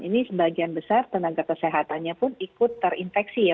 ini sebagian besar tenaga kesehatannya pun ikut terinfeksi ya